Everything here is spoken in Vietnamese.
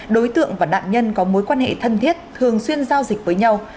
đối tượng và nạn nhân có mối quan hệ thân thiết thường xuyên giao dịch với nhau